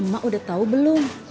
emak udah tau belum